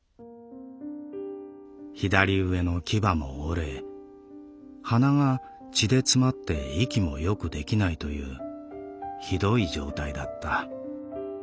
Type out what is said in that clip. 左上の牙も折れ鼻が血で詰まって息もよくできないという酷い状態だった。